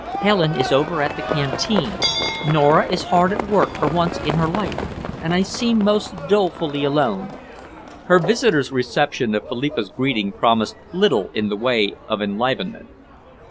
"Helen is over at the Canteen, Nora is hard at work for once in her life, and I seem most dolefully alone." Her visitor's reception of Philippa's greeting promised little in the way of enlivenment.